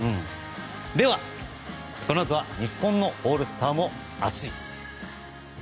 では、このあとは日本のオールスターも熱い。